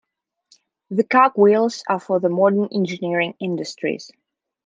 The cogwheels are for the modern engineering industries.